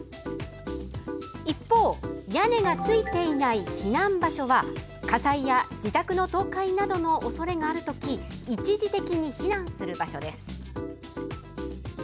一方屋根がついていない避難場所は火災や自宅の倒壊などのおそれがある時一時的に避難する場所です。